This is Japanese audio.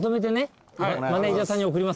マネジャーさんに送りますから。